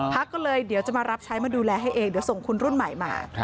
พักก็เลยเดี๋ยวจะมารับใช้มาดูแลให้เองเดี๋ยวส่งคนรุ่นใหม่มา